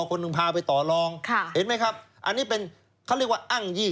คนหนึ่งพาไปต่อรองเห็นไหมครับอันนี้เป็นเขาเรียกว่าอ้างยี่